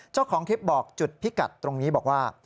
เจ้าของคลิปบอกจุดพิกัดตรงนี้บอกว่า